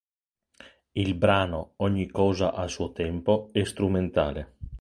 Il brano "Ogni cosa a suo tempo" è strumentale.